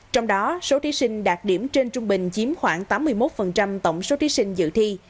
trong đó số thí sinh đạt điểm trên trung bình chiếm khoảng tám mươi một tổng số thí sinh dự thi